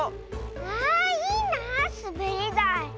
あいいなあすべりだい。